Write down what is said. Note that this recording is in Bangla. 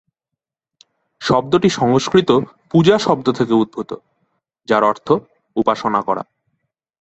শব্দটি সংস্কৃত পূজা শব্দ থেকে উদ্ভূত, যার অর্থ উপাসনা করা।